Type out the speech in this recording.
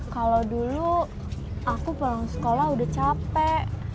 kalau dulu aku pulang sekolah udah capek